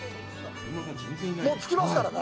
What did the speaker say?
もう着きますからね。